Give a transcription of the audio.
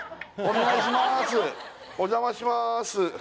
お邪魔します